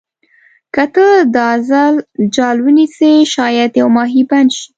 که ته دا ځل جال ونیسې شاید یو ماهي بند شي.